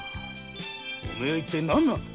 お前一体何なんだ？